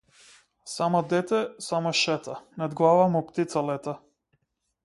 Само дете, само шета над глава му птица лета.